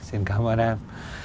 xin cảm ơn em